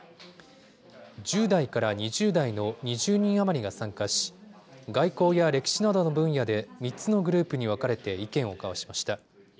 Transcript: １０代から２０代の２０人余りが参加し、外交や歴史などの分野で３つのグループに分かれて意見を交わしました。